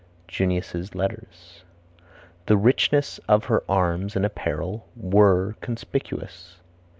Junius's Letters. "The richness of her arms and apparel were conspicuous."